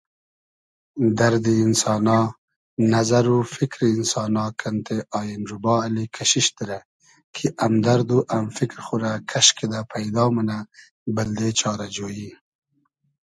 دئردی اینسانا ، نئزئر و فیکری اینسانا کئنتې آین روبا اللی کئشیش دیرۂ کی امدئرد و ام فیکر خو رۂ کئش کیدۂ پݷدا مونۂ بئلدې چارۂ جۉیی